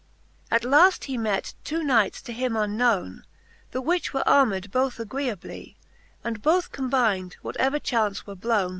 At laft he met two Knights to him unknowne, The which were armed both agreeably, And both combynd, what ever chaunce were blowne.